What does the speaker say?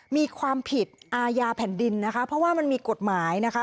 มีความผิดอาญาแผ่นดินนะคะเพราะว่ามันมีกฎหมายนะคะ